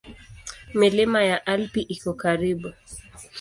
Milima ya Alpi iko karibu.